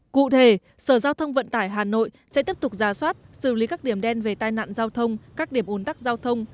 cụ thể sở giao thông vận tải hà nội sẽ tiếp tục ra soát xử lý các điểm đen về tai nạn giao thông các điểm ồn tắc giao thông